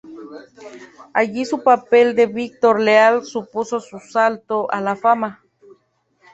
Allí su papel de Víctor Leal supuso su salto a la fama.